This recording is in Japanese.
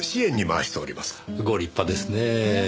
ご立派ですねぇ。